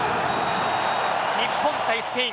日本対スペイン